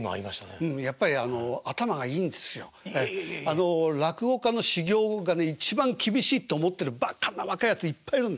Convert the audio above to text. あの落語家の修業がね一番厳しいって思ってるバカな若いやついっぱいいる。